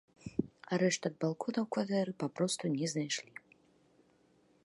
А рэштак балона ў кватэры папросту не знайшлі.